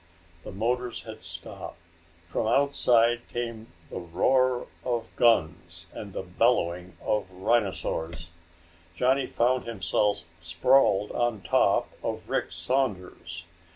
The motors had stopped. From outside came the roar of guns and the bellowing of rhinosaurs. Johnny found himself sprawled on top of Rick Saunders.